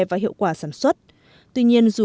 và hiệu quả sản xuất tuy nhiên dù